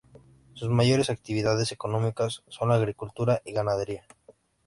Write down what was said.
Sus mayores actividades económicas son la agricultura y ganadería.